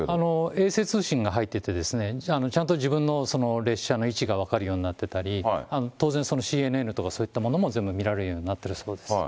衛星通信が入ってて、ちゃんと自分の列車の位置が分かるようになっていたり、当然、ＣＮＮとか、そういったものも全部見られるようになってるそうです。